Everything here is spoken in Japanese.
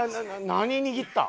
何握ったん？